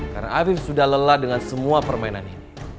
karena afif sudah lelah dengan semua permainan ini